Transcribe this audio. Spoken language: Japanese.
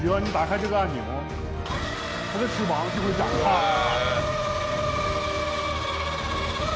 へえ！